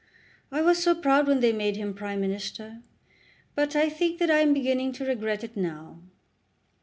I was so proud when they made him Prime Minister; but I think that I am beginning to regret it now."